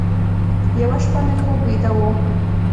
یوه شپه مې خوب ویده و،